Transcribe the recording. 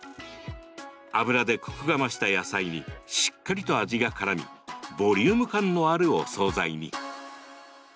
油でコクが増した野菜にしっかりと味がからみボリューム感のあるお総菜に。